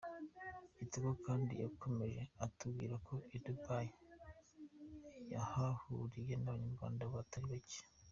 Kitoko kandi yakomeje atubwira ko i Dubai yahahuriye n’abanyarwanda batari bacye.